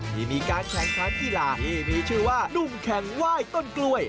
มีการแข่งขันกีฬาที่มีชื่อว่านุ่มแข่งไหว้ต้นกล้วย